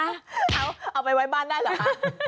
เอาไปไว้บ้านได้เหรอคะ